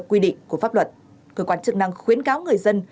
quy định của pháp luật cơ quan chức năng khuyến cáo người dân